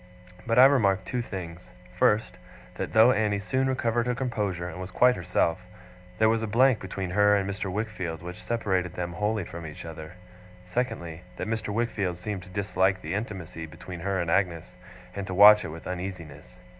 But I remarked two things: first, that though Annie soon recovered her composure, and was quite herself, there was a blank between her and Mr. Wickfield which separated them wholly from each other; secondly, that Mr. Wickfield seemed to dislike the intimacy between her and Agnes, and to watch it with uneasiness.